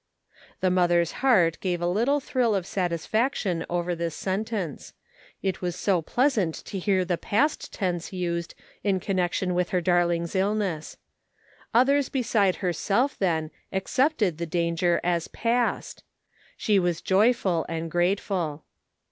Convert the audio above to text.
The mother's heart gave a little thrill of satisfaction over this sentence ; it was so pleas ant to hear the past tense used in connection with her darling's illness. Others beside her self, then, accepted the danger as " past !" She was joyful and grateful.